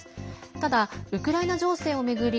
ただ、ウクライナ情勢を巡り